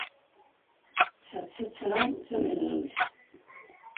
Ta d tuttra tamenzugt?